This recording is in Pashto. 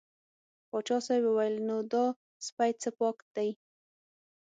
پاچا صاحب وویل نو دا سپی څه پاک دی.